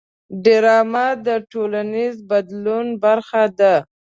ډرامه د ټولنیز بدلون برخه ده